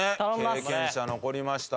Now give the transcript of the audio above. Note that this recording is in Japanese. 経験者残りました。